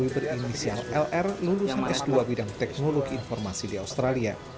berinisial lr lulusan s dua bidang teknologi informasi di australia